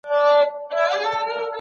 مکتب زموږ مورچل دی.